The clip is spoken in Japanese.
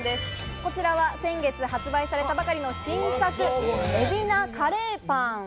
こちらは先月発売されたばかりの新作・海老ｎａカレーパン。